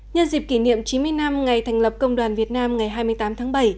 nhân dịp kỷ niệm chín mươi năm ngày thành lập công đoàn việt nam ngày hai mươi tám tháng bảy